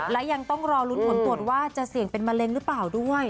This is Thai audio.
และยังต้องรอลุ้นผลตรวจว่าจะเสี่ยงเป็นมะเร็งหรือเปล่าด้วย